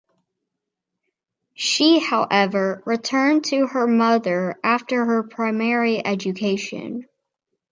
She however returned to her mother after her primary education.